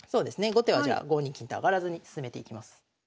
後手はじゃあ５二金と上がらずに進めていきます。